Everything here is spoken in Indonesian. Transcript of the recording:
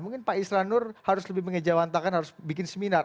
mungkin pak isra nur harus lebih mengejawantakan harus bikin seminar